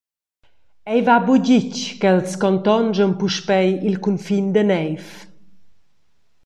Ei va buca ditg ch’els contonschan puspei il cunfin da neiv.